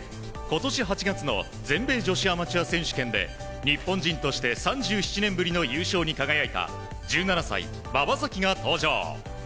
今年８月の全米女子アマチュア選手権で日本人として３７年ぶりの優勝に輝いた１７歳、馬場咲希が登場。